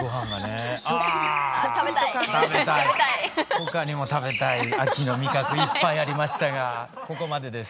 他にも食べたい秋の味覚いっぱいありましたがここまでです。